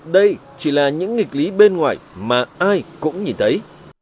đây chỉ là những nghịch lý bên ngoài mà ai cũng nhìn thấy